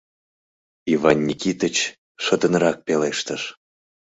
— Иван Никитыч шыдынрак пелештыш.